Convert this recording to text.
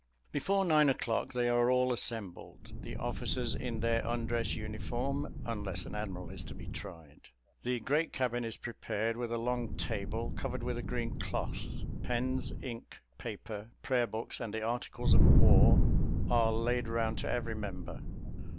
Before nine o'clock they are all assembled; the officers in their undress uniform, unless an admiral is to be tried. The great cabin is prepared, with a long table covered with a green cloth. Pens, ink, paper, prayer books, and the Articles of War, are laid round to every member.